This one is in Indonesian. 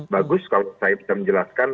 bagus kalau saya bisa menjelaskan